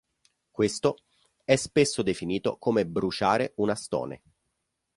Questo è spesso definito come "bruciare" una stone.